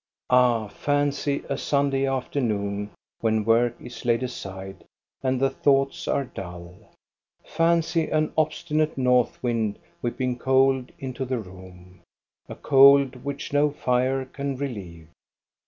Ah, fancy a Sunday afternoon, when work is laid aside and the thoughts are dull ! Fancy an obstinate MADAME MUSIC A 311 "north wind, whipping cold into the room, — a cold which no fire can relieve